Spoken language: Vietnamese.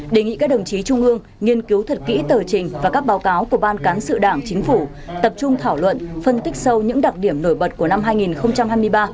đề nghị các đồng chí trung ương nghiên cứu thật kỹ tờ trình và các báo cáo của ban cán sự đảng chính phủ tập trung thảo luận phân tích sâu những đặc điểm nổi bật của năm hai nghìn hai mươi ba